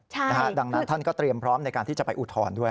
ดังนั้นท่านก็เตรียมพร้อมในการที่จะไปอุทธรณ์ด้วย